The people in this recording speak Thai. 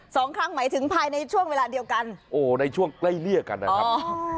สองครั้งหมายถึงภายในช่วงเวลาเดียวกันโอ้ในช่วงใกล้เลี่ยกันนะครับ